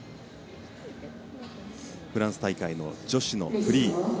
フランス大会の女子のフリー。